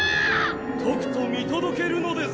とくと見届けるのです。